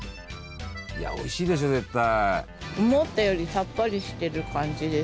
いやおいしいでしょ絶対。